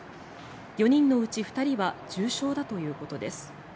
４人のうち２人は重傷だということです。